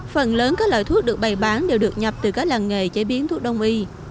phần lớn các loại thuốc được bày bán đều được nhập từ các làng nghề chế biến thuốc đông y